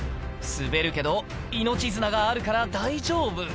滑るけど、命綱があるから大丈夫。